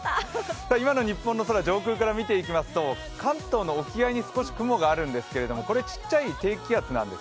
今の日本の空、上空から見ていきますと関東の沖合に少し雲があるんですけど、ちっちゃい低気圧なんです。